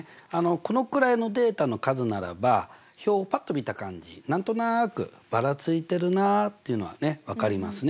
このくらいのデータの数ならば表をパッと見た感じ何となくばらついてるなっていうのはね分かりますね。